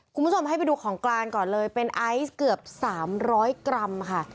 คุณผู้ชมให้ไปดูของกลางก่อนเลยเป็นไอซ์เกือบ๓๐๐กรัมค่ะ